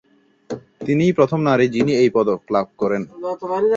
তিনিই প্রথম নারী, যিনি এই পদক লাভ করেন।